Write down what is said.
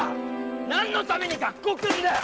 何のために学校来るんだよ！